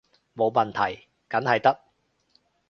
冇問題，梗係得